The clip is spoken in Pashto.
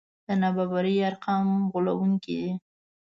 د نابرابرۍ ارقام غولوونکي دي.